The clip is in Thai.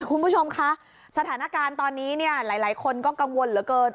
คุณผู้ชมคะสถานการณ์ตอนนี้เนี่ยหลายคนก็กังวลเหลือเกิน